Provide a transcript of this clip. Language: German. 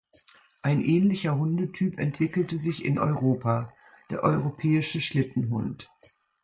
Ein ähnlicher Hundetyp entwickelte sich in Europa: der Europäische Schlittenhund.